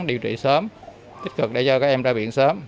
điều trị sớm tích cực để cho các em ra viện sớm